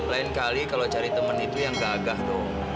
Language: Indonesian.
lain kali kalau cari temen itu yang gagah doang